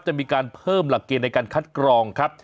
จะมีการเพิ่มหลักเกณฑ์ในการคัดกรองครับ